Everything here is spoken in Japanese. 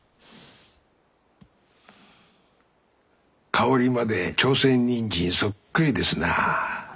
香りまで朝鮮人参そっくりですな。